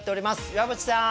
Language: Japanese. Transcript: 岩渕さん。